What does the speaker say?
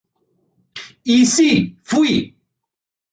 Y sí fui".